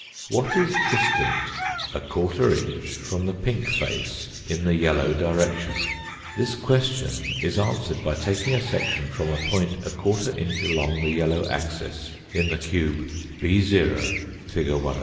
What is distant a quarter inch from the pink face in the yellow direction ? This question is answered by taking a section from a point a quarter inch along the yellow axis in the cube &< fig. 107.